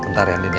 bentar ya lidya